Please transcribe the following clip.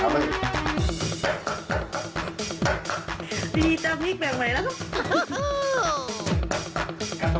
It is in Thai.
มีตำพริกแบบไหนแล้ว